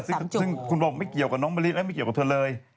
ซึ่งคุณบอกไม่เกี่ยวกับน้องมะลิและไม่เกี่ยวกับเธอเลย